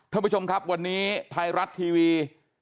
ท่านผู้ชมครับวันนี้ไทยรัฐทีวี